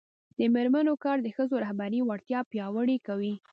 د میرمنو کار د ښځو رهبري وړتیا پیاوړې کوي.